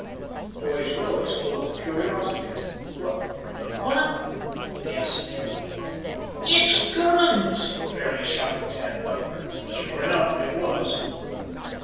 The boys rose full of curiosity. "Wha what " gasped Ned. "It's guns!" fairly shouted Tad Butler. Sure enough, it was.